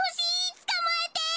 つかまえて！